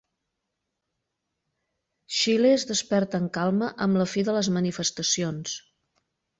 Xile es desperta en calma amb la fi de les manifestacions